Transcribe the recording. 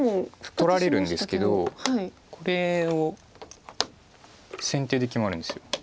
取られるんですけどこれを先手で決まるんです。